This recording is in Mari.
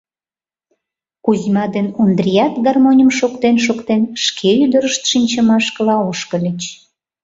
Кузьма ден Ондрият, гармоньым шоктен-шоктен, шке ӱдырышт шинчымашкыла ошкыльыч.